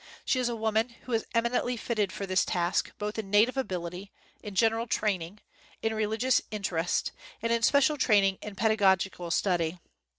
She is a woman who is eminently fitted for this task, both in native ability, in general training, in religious interest, and in special training in pedagogical study.